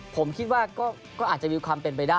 ผมคิดว่าก็อาจจะมีความเป็นไปได้